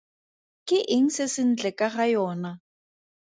Ke eng se sentle ka ga yona?